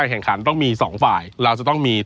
ใช่ค่ะส่วนเชฟอยู่ตรงนี้ต่อ